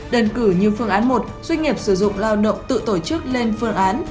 đơn cử như phương án một doanh nghiệp sử dụng lao động tự tổ chức lên phương án